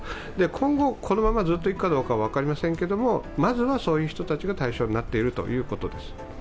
今後、このままずっといくかどうか分かりませんけど、まずはそういう人たちが対象になっているということです。